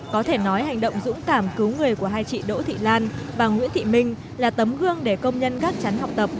có thể nói hành động dũng cảm cứu người của hai chị đỗ thị lan và nguyễn thị minh là tấm gương để công nhân gác chắn học tập